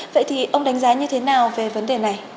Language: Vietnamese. vậy thì ông đánh giá như thế nào về vấn đề này